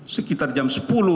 sekitar jam sepuluh